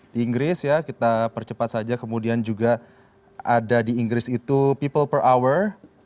di inggris ya kita percepat saja kemudian juga ada di inggris itu people per hour